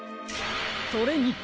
それに！